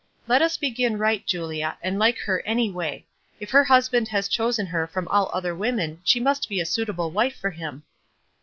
"Let us begin right, Julia, and like her any way. If her husband has chosen her from all other women she must be a suitable wife for him."